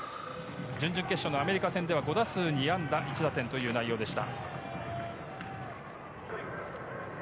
準々決勝のアメリカ戦では５打数２安打１打点という内容でした。